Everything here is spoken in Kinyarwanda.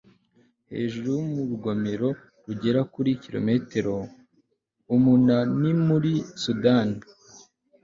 hejuru y'urugomero, rugera kuri kilometero umunanimuri sudani